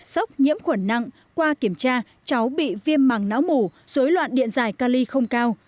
sốc nhiễm khuẩn nặng qua kiểm tra cháu bị viêm mằng não mủ dối loạn điện dài cali không cao